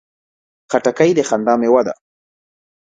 خټکی د خندا مېوه ده.